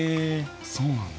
そうなんだ。